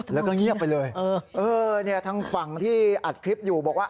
แล้วก็เงียบไปเลยเออเนี่ยทางฝั่งที่อัดคลิปอยู่บอกว่า